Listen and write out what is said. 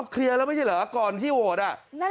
เคลียร์แล้วไม่ใช่เหรอก่อนที่โหวต